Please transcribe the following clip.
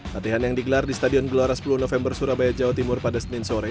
latihan yang digelar di stadion gelora sepuluh november surabaya jawa timur pada senin sore